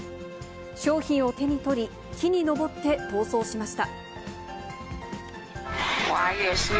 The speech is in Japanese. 商品を手に取り、木に登って逃走しました。